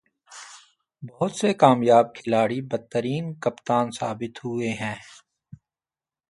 بہت سے کامیاب کھلاڑی بدترین کپتان ثابت ہوئے ہیں۔